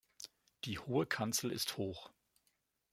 Die Hohe Kanzel ist hoch.